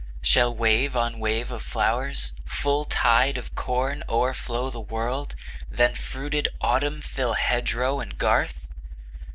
Shall wave on wave of flow'rs, full tide of corn, O'erflow the world, then fruited Autumn fill Hedgerow and garth?